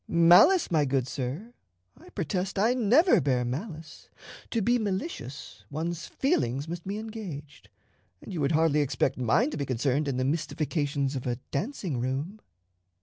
"Malice, my good sir! I protest I never bear malice. To be malicious, one's feelings must be engaged; and you would hardly expect mine to be concerned in the mystifications of a dancing room."